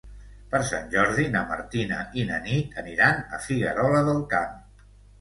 Per Sant Jordi na Martina i na Nit aniran a Figuerola del Camp.